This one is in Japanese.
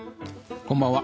こんばんは。